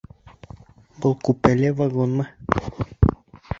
Был купеле вагонмы?